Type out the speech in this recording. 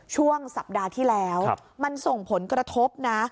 ช่วงสัปดาห์ที่แล้วมันส่งผลกระทบนะ